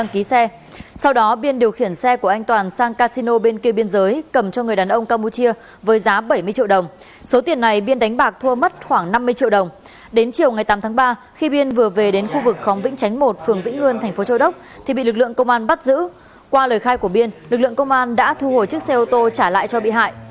qua lời khai của biên lực lượng công an đã thu hồi chiếc xe ô tô trả lại cho bị hại